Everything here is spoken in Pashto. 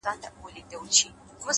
هره پوښتنه د پوهېدو دروازه ده’